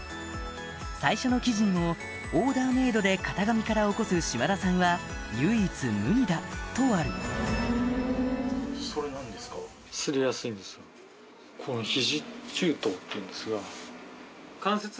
最初の記事にもオーダーメードで型紙から起こす島田さんは唯一無二だとあるこの肘。